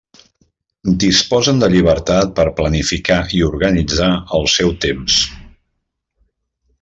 Disposen de llibertat per planificar i organitzar el seu temps.